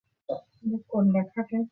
এটা মান বর্গের বর্গমূল থেকে আসে।